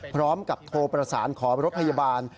พร้อมกับโทรประสานขอรถพยาบาล